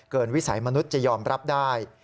วิสัยมนุษย์จะยอมรับได้